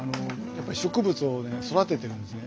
植物をね育ててるんですね。